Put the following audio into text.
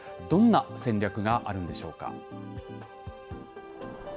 どんな戦略があるんでしょうか。